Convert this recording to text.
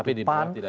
terjadi gitu ya